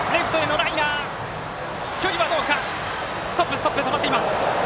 ストップ、止まっています。